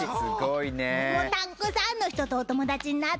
たっくさんの人とお友達になった。